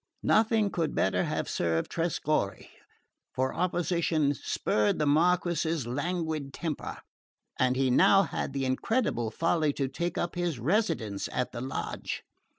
"Nothing could better have served Trescorre; for opposition spurred the Marquess's languid temper, and he had now the incredible folly to take up his residence in the lodge.